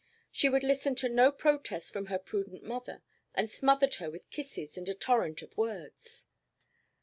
She would listen to no protest from her prudent mother and smothered her with kisses and a torrent of words.